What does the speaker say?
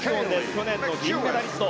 去年の銀メダリスト。